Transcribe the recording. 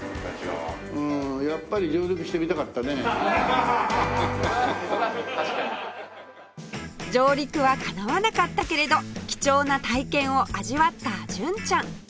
上陸はかなわなかったけれど貴重な体験を味わった純ちゃん